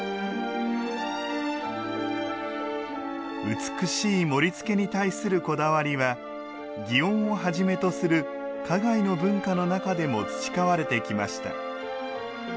美しい盛りつけに対するこだわりは園をはじめとする花街の文化の中でも培われてきました。